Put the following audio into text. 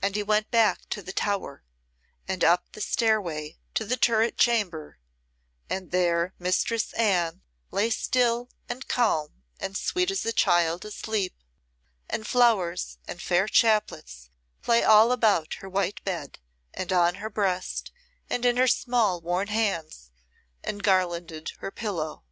And he went back to the Tower and up the stairway to the turret chamber, and there Mistress Anne lay still and calm and sweet as a child asleep, and flowers and fair chaplets lay all about her white bed and on her breast and in her small, worn hands, and garlanded her pillow.